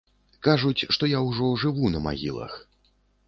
Кажуць, што я ўжо жыву на магілах.